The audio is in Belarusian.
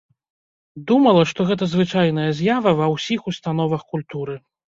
Думала, што гэта звычайная з'ява ва ўсіх установах культуры.